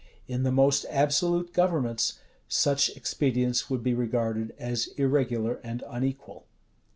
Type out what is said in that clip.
In the most absolute governments, such expedients would be regarded as irregular and unequal.